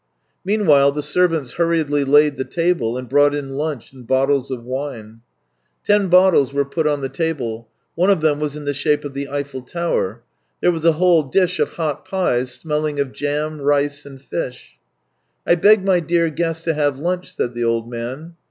Meanwhile the servants hurriedly laid the table and brought in lunch and bottles of wine. Ten bottles were put on the table; one of them was in the shape of the Eiffel Tower. There was a whole dish of hot pies smelling of jam, rice, and fish. " I beg my dear guest to have lunch," said the old man.